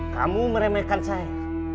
kamu meremehkan saya